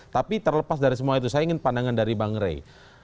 tapi terlepas dari semua itu saya ingin pandangan dari bang rey